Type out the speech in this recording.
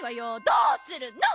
どうするの！